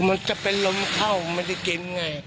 มันจะไปล้มเข้ามันจะกินไง